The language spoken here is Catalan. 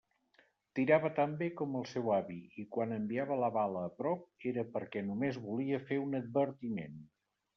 Tirava tan bé com el seu avi, i quan enviava la bala a prop, era perquè només volia fer un advertiment.